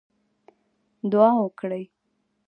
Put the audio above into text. دعا وکړئ